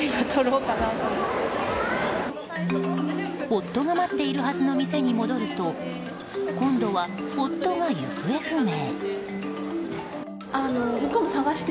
夫が待っているはずの店に戻ると今度は夫が行方不明。